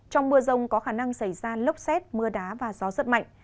trong mưa rông có khả năng xảy ra lốc xét mưa đá và gió rất mạnh